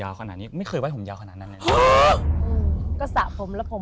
ยาวขนาดนี้ไม่เคยไว้ผมยาวขนาดนั้นฮืออืมกระสะผมแล้วผม